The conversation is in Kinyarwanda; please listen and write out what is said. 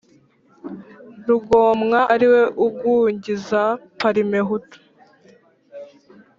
rugomwa ari we ugungiza parimehutu